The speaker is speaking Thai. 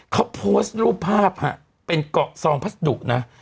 เขาโพสต์รูปภาพฮะเป็นเกาะซองพัสดุนะ